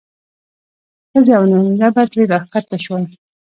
ښځې او نارینه به ترې راښکته شول.